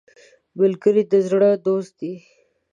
ملګری د زړه دوست دی